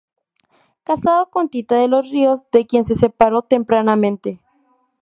Casado con Tita de los Ríos, de quien se separó tempranamente.